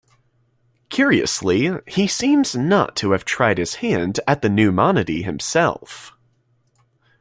Curiously, he seems not to have tried his hand at the new monody himself.